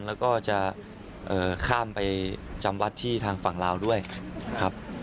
แล้วก็จะข้ามไปจำวัดที่ทางฝั่งลาวด้วยครับ